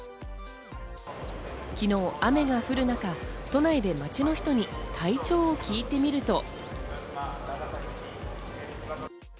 昨日、雨が降る中、都内で街の人に体調を聞いてみると。